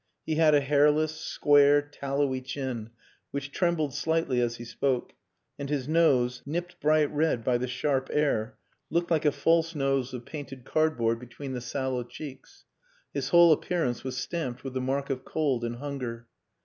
He had a hairless, square, tallowy chin which trembled slightly as he spoke, and his nose nipped bright red by the sharp air looked like a false nose of painted cardboard between the sallow cheeks. His whole appearance was stamped with the mark of cold and hunger.